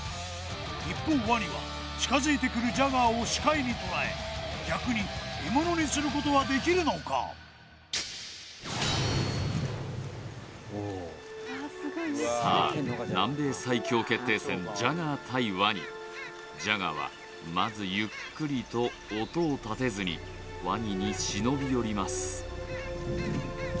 一方ワニは近づいてくるジャガーを視界に捉え逆に獲物にすることはできるのかさあ南米最強決定戦ジャガー対ワニジャガーはまずゆっくりと音を立てずにワニに忍び寄ります